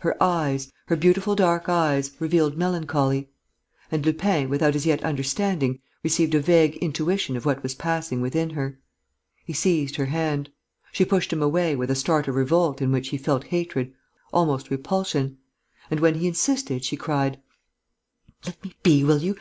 Her eyes, her beautiful dark eyes, revealed melancholy. And Lupin, without as yet understanding, received a vague intuition of what was passing within her. He seized her hand. She pushed him away, with a start of revolt in which he felt hatred, almost repulsion. And, when he insisted, she cried: "Let me be, will you?...